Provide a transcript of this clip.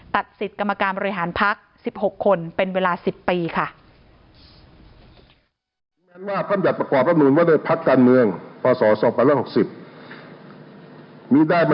ตัดสิทธิ์กรรมการบริหารพัก๑๖คนเป็นเวลา๑๐ปีค่ะ